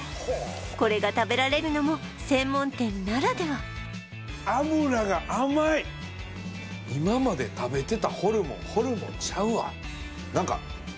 これが食べられるのも専門店ならでは今まで食べてたホルモンホルモンちゃうわ